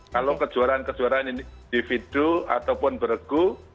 kalau kejuaraan kejuaraan individu ataupun beregu